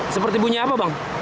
seperti bunyi apa bang